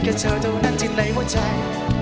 เธอเท่านั้นที่ในหัวใจ